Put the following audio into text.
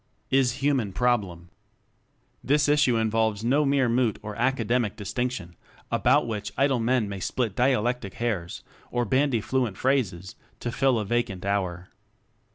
Is Human Problem. This issue involves no mere moot or academic distinction, about which idle men may split dialectic hairs or bandy fluent phrases to fill a vacant hour.